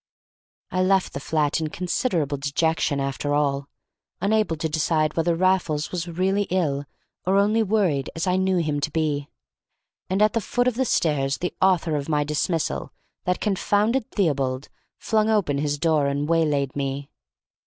I left the flat in considerable dejection after all, unable to decide whether Raffles was really ill, or only worried as I knew him to be. And at the foot of the stairs the author of my dismissal, that confounded Theobald, flung open his door and waylaid me.